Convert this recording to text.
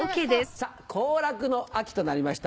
さぁ行楽の秋となりました。